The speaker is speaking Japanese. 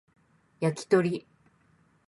焼き鳥